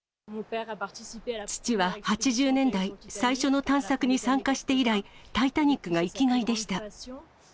父は８０年代、最初の探索に参加して以来、タイタニックが生きがいでした。